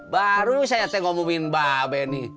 baru saya teng omumin mbak be nih